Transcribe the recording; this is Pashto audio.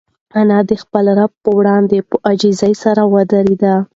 انا د خپل رب په وړاندې په عاجزۍ سره ودرېده.